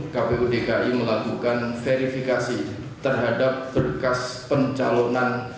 kpu dki melakukan verifikasi terhadap berkas pencalonan